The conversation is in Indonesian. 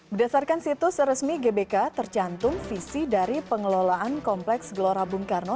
berdasarkan situs resmi gbk tercantum visi dari pengelolaan kompleks gelora bung karno